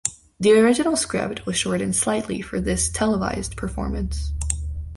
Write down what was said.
The original script was shortened slightly for this televised performance.